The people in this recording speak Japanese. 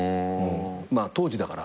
まあ当時だから。